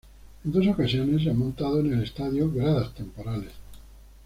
En dos ocasiones se han montado en el estadio gradas temporales.